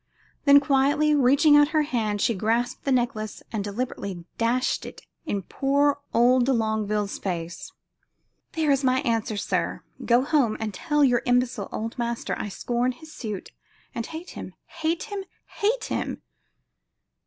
Then quietly reaching out her hand she grasped the necklace and deliberately dashed it in poor old de Longueville's face. "There is my answer, sir! Go home and tell your imbecile old master I scorn his suit and hate him hate him hate him!"